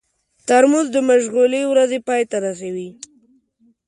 ترموز د مشغولې ورځې پای ته رسوي.